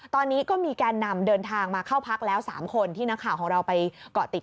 ตอนนี้ก็มีแกนนำเดินทางมาเข้าพักแล้ว๓คนที่นักข่าวของเราไปเกาะติด